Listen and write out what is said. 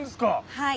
はい。